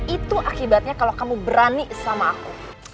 itu akibatnya kalau kamu berani sama aku